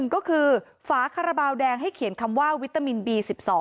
ก็คือฝาคาราบาลแดงให้เขียนคำว่าวิตามินบี๑๒